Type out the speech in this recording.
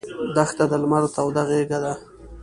دښته د لمر توده غېږه ده.